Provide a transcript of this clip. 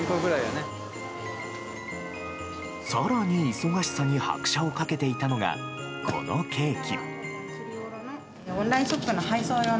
更に、忙しさに拍車をかけていたのがこのケーキ。